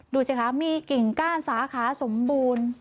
ดูสิคะมีกิ่งก้านสาขาสมบูรณ์